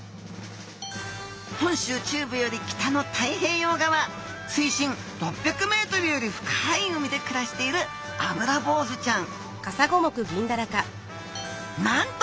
本州中部より北の太平洋側水深６００ｍより深い海で暮らしているアブラボウズちゃん。